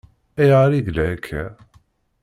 Ayɣer i yella akka?